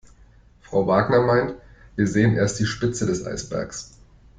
Frau Wagner meint, wir sehen erst die Spitze des Eisbergs.